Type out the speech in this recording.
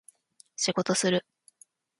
仕事する